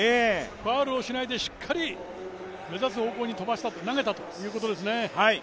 ファウルをしないでしっかり目指す方向に投げたということですね。